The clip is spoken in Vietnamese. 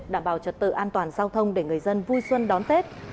đảm bảo trật tự an toàn giao thông để người dân vui xuân đón tết